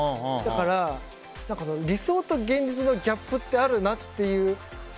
だから理想と現実のギャップってあるなって。